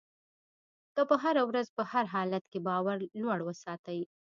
که په هره ورځ په هر حالت کې باور لوړ وساتئ.